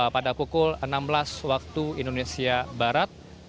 pada pukul enam belas waktu indonesia barat